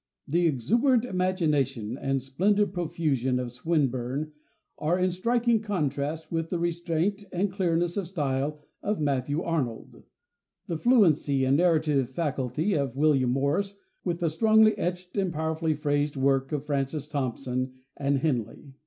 The exuberant imagination and splendid profusion of Swinburne are in striking contrast with the restraint and clearness of style of Matthew Arnold; the fluency and narrative faculty of William Morris, with the strongly etched and powerfully phrased work of Francis Thompson and Henley.